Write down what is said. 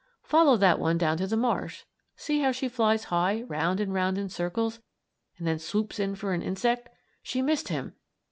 Follow that one down to the marsh. See how she flies high, round and round in circles, and then swoops for an insect. She missed him!